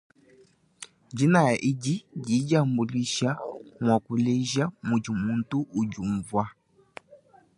Dinaya edi didi diambuluisha muakuleja mudi muntu udiumva.